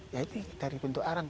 ya itu dari bentuk arang